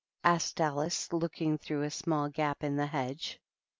121 asked Alice, looking through a small gap in the hedge.